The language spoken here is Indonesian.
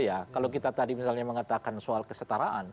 itu saja kalau kita tadi misalnya mengatakan soal kesetaraan